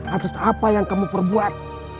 atas apa yang kamu perbuat